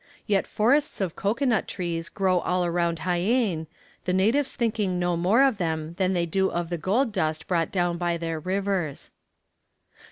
Yet forests of cocoa nut trees grow all around Jaen, the natives thinking no more of them than they do of the gold dust brought down by their rivers.